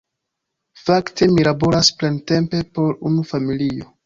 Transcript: Fakte, mi laboras plentempe por unu familio.